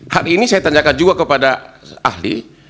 hari ini saya tanyakan juga kepada ahli